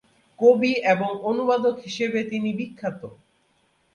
কবি এবং অনুবাদক হিসেবে তিনি বিখ্যাত।